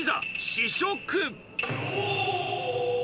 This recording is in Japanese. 試食。